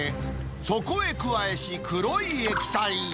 そこへ加えし黒い液体。